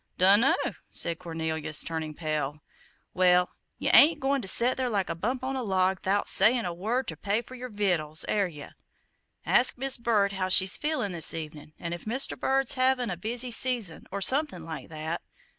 "Dunno!" said Cornelius, turning pale. "Well, ye ain't goin' to set there like a bump on a log 'thout sayin' a word ter pay for yer vittles, air ye? Ask Mis' Bird how she's feelin' this evenin', or if Mr. Bird's havin' a busy season, or somethin' like that.